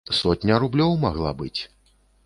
Сотня рублёў магла быць.